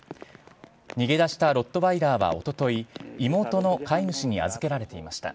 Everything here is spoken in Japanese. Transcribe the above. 逃げ出したロットワイラーはおととい、妹の飼い主に預けられていました。